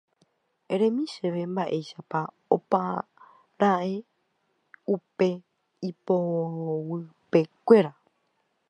Eremi chéve mba'éichapa opara'e upe ipoguypekuéra